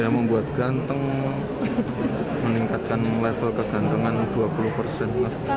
ya membuat ganteng meningkatkan level kegantengan dua puluh persen